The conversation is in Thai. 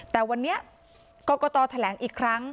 แต่วันนี้กรกตแถลงอีกครั้ง